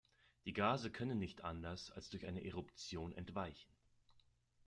Die Gase können nicht anders als durch eine Eruption entweichen.